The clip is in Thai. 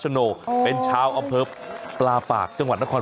หมอกิตติวัตรว่ายังไงบ้างมาเป็นผู้ทานที่นี่แล้วอยากรู้สึกยังไงบ้าง